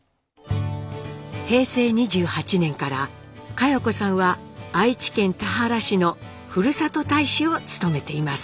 平成２８年から佳代子さんは愛知県田原市の「ふるさと大使」を務めています。